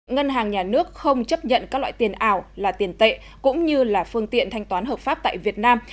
ngân hàng nhà nước không chấp nhận các loại tiền ảo là tiền tệ cũng như là phương tiện thanh toán hợp pháp tại việt nam